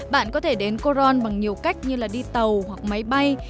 bạn có thể đến coron bằng nhiều cách như đi tàu hoặc máy bay